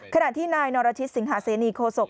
ขณะที่นายนรชิตสิงหาเสนีโคศก